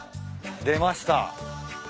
出ました。